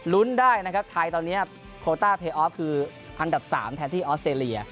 ได้นะครับไทยตอนนี้โคต้าเพยออฟคืออันดับ๓แทนที่ออสเตรเลีย